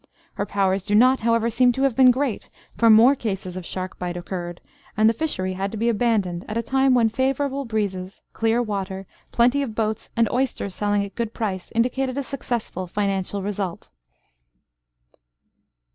Her powers do not, however, seem to have been great, for more cases of shark bite occurred, and the fishery had to be abandoned at a time when favourable breezes, clear water, plenty of boats, and oysters selling at a good price, indicated a successful financial result.